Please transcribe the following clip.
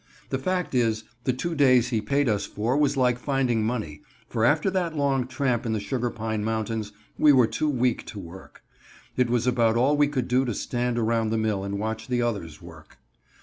The fact is, the two days he paid us for was like finding money, for after that long tramp in the Sugar Pine Mountains we were too weak to work. It was about all we could do to stand around the mill and watch the others work.